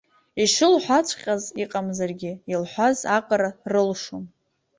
Ишылҳәаҵәҟьаз иҟамзаргьы, илҳәаз аҟара рылшом!